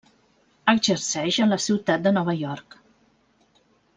Exerceix a la ciutat de Nova York.